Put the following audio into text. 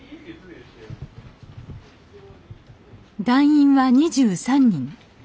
団員は２３人。